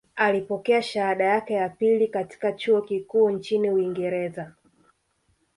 Alipokea shahada yake ya pili katika chuo kikuu nchini Uingereza